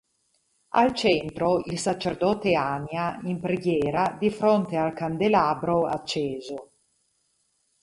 Al centro, il sacerdote Ania in preghiera di fronte al candelabro acceso.